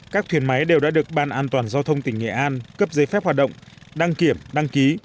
các thuyền máy đều đã được ban an toàn giao thông tỉnh nghệ an cấp giấy phép hoạt động đăng kiểm đăng ký